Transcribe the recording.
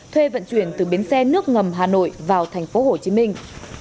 thuê vận chuyển từ bến xe nước ngầm hà nội vào thành phố hồ chí minh